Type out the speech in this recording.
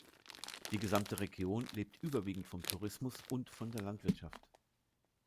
Die gesamte Region lebt überwiegend vom Tourismus und von der Landwirtschaft.